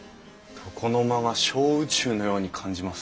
床の間が小宇宙のように感じます。